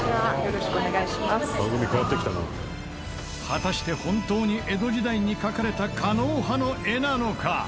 果たして本当に江戸時代に描かれた狩野派の絵なのか？